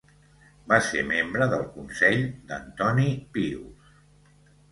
Va ser membre del consell d'Antoní Pius.